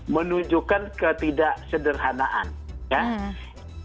menunjukkan ketidaksederhanaan ya